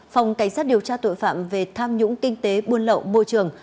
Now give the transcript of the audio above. phòng cảnh sát điều tra tội phạm về tham nhũng kinh tế buôn lậu môi trường